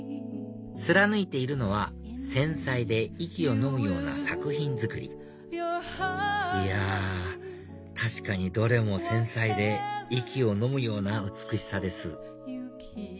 貫いているのは繊細で息をのむような作品作りいや確かにどれも繊細で息をのむような美しさです